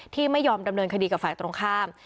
ที่ไม่ยอมดำเนินคดีกับฝ่ายตรงข้าม